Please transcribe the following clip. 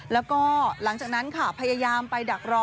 แล้วก็หลังจากนั้นค่ะพยายามไปดักรอ